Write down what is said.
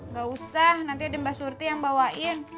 gak usah nanti ada mbak surti yang bawain